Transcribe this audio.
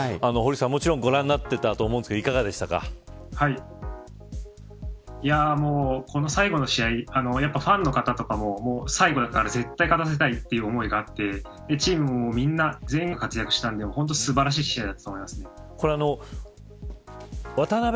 堀内さん、もちろんご覧になっていたと思いますがこの最後の試合ファンの方とかも最後だから絶対に勝たせたいという思いがあってチームもみんな全員が活躍したんで本当に素晴らしい試合だったと思います。